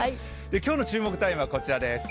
今日の注目タイムはこちらです。